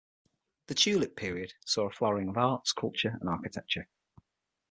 The Tulip period saw a flowering of arts, culture and architecture.